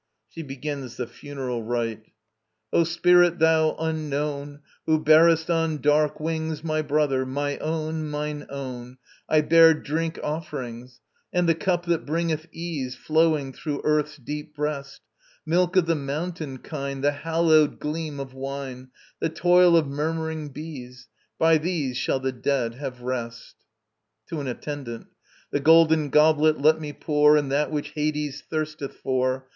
[She begins the Funeral Rite.] O Spirit, thou unknown, Who bearest on dark wings My brother, my one, mine own, I bear drink offerings, And the cup that bringeth ease Flowing through Earth's deep breast; Milk of the mountain kine, The hallowed gleam of wine, The toil of murmuring bees: By these shall the dead have rest. To an ATTENDANT. The golden goblet let me pour, And that which Hades thirsteth for.